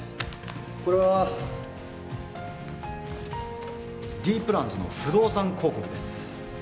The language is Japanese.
これはＤプランズの不動産広告です